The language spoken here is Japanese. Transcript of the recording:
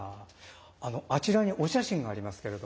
あのあちらにお写真がありますけれども。